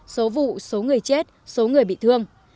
số vụ số người chết số người bị thương